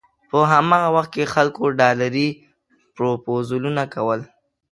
په هماغه وخت کې خلکو ډالري پروپوزلونه کول.